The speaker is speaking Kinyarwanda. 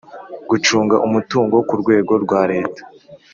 gucunga umutungo ku rwego rwa leta